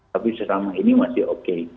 tapi selama ini masih oke